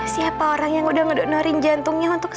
siapa orang yang udah ngedonorin jantungnya untuk saya dokter